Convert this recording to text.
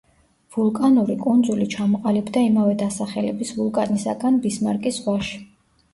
ვულკანური კუნძული ჩამოყალიბდა იმავე დასახელების ვულკანისაგან, ბისმარკის ზღვაში.